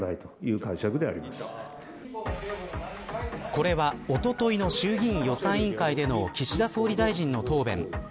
これは、おとといの衆議院予算委員会での岸田総理大臣の答弁。